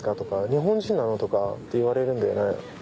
「日本人なの？」とかって言われるんだよね。